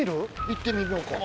行ってみようか。